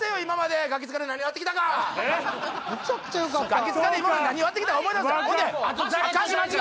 『ガキ使』で今まで何をやってきたか思い出せ！